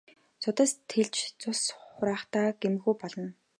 Судас тэлж цус хураахдаа гэмгүй болно.